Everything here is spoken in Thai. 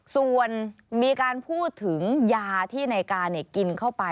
ส่วนมีการพูดถึงยาที่ในการกินเข้าไป